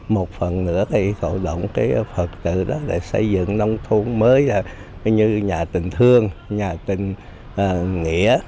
một phần nữa thì thổ động phật tử để xây dựng nông thôn mới như nhà tình thương nhà tình nghĩa